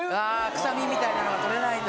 臭みみたいなのが取れないんだ。